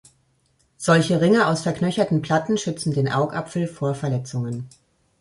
Solche Ringe aus verknöcherten Platten schützen den Augapfel vor Verletzungen.